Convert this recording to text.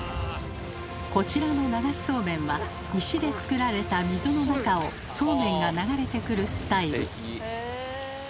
こちらの流しそうめんは石で作られた溝の中をそうめんが流れてくるスタイル。